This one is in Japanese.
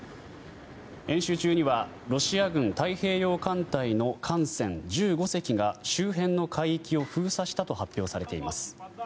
演習中にはロシア軍太平洋艦隊の艦船１５隻が周辺の海域を封鎖したと発表されています。